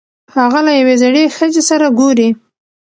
هغه له یوې زړې ښځې سره ګوري.